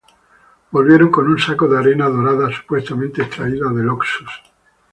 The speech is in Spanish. Volvieron con un saco de arena dorada, supuestamente extraída del Oxus.